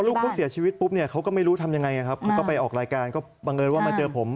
ลูกเขาเสียชีวิตปุ๊บเนี่ยเขาก็ไม่รู้ทำยังไงครับเขาก็ไปออกรายการก็บังเอิญว่ามาเจอผม